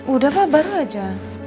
udah pak baru aja